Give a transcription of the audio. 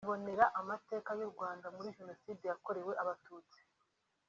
bibonera amateka y’u Rwanda muri Jenoside yakorewe Abatutsi